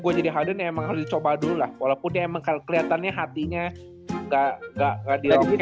gua jalan emang normal di coba dulu walaupun nm clinical ini hatinya gak gak gak bisa jatuh